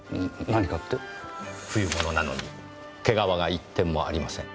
冬物なのに毛皮が一点もありません。